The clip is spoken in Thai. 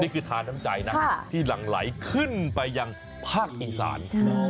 นี่คือทาน้ำใจนะที่หลังไหลขึ้นไปังภาคอีสาน